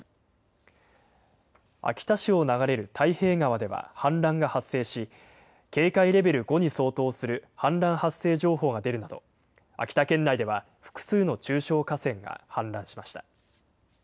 秋田市を流れる太平川では氾濫が発生し警戒レベル５に相当する氾濫発生情報が出るなど秋田県内では複数の中小河川が氾濫しました。